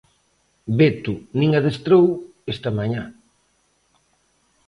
Beto nin adestrou esta mañá.